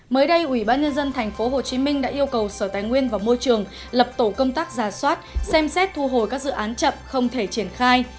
mới đây ủy ban nhân dân tp hcm đã yêu cầu sở tài nguyên và môi trường lập tổ công tác giả soát xem xét thu hồi các dự án chậm không thể triển khai